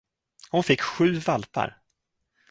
Hon fick sju valpar!